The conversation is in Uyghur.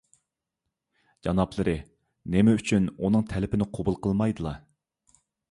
جانابلىرى نېمە ئۈچۈن ئۇنىڭ تەلىپىنى قوبۇل قىلمايدىلا؟